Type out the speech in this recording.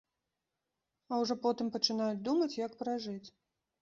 А ўжо потым пачынаюць думаць, як пражыць.